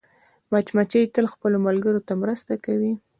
مچمچۍ تل خپلو ملګرو ته مرسته کوي